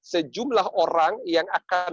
sejumlah orang yang akan